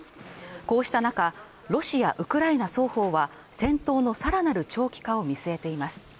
こうした中、ロシアウクライナ双方は戦闘のさらなる長期化を見据えています